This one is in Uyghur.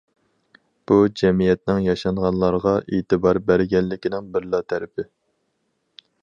بۇ جەمئىيەتنىڭ ياشانغانلارغا ئېتىبار بەرگەنلىكىنىڭ بىرلا تەرىپى.